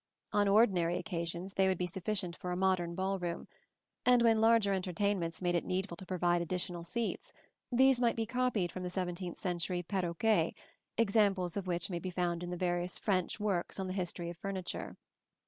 On ordinary occasions they would be sufficient for a modern ball room; and when larger entertainments made it needful to provide additional seats, these might be copied from the seventeenth century perroquets, examples of which may be found in the various French works on the history of furniture.